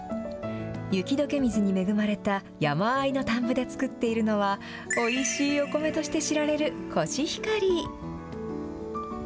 雪どけ水に恵まれた山あいの田んぼで作っているのは、おいしいお米として知られるコシヒカリ。